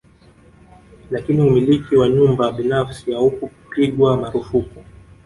Lakini umiliki wa nyumba binafsi haukupigwa marufuku